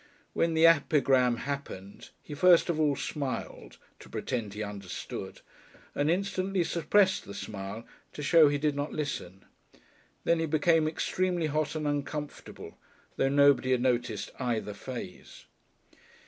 When the epigram happened, he first of all smiled, to pretend he understood, and instantly suppressed the smile to show he did not listen. Then he became extremely hot and uncomfortable, though nobody had noticed either phase.